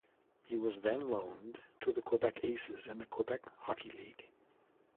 He was then loaned to the Quebec Aces in the Quebec Hockey League.